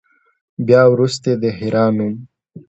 بیا وروسته د حرا نوم.